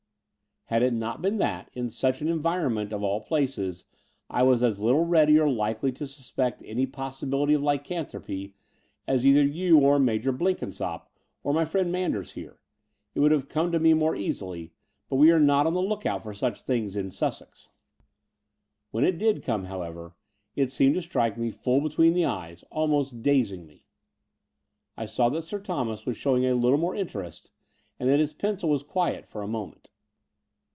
Had it not been that, in such an environment of all places, I was as little ready or likely to suspect any possi bility of lycanthropy as either you or Major Blenkinsopp or my friend Manders here, it would have come to me more easily : but we are not on the look out for such things in Sussex. When it did Between London and Clymptng 195 come, however, it seemed to strike me ftill between the eyes, almost dazing me." I saw that Sir Thomas was showing a little more interest, and that his pencil was quiet for a mo ment.